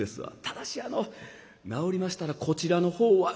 ただしあの治りましたらこちらの方は」。